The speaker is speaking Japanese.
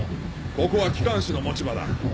ここは機関士の持ち場だ。